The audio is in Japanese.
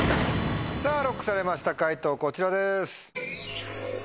さぁＬＯＣＫされました解答こちらです。